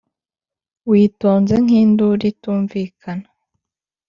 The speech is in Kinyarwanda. witonze nk'induru itumvikana,